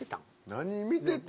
何見てた。